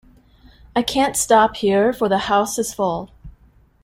I can't stop here, for the house is full.